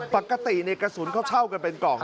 ปกติในกระสุนเขาเช่ากันเป็นกล่อง